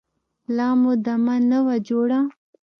لا مو دمه نه وه جوړه.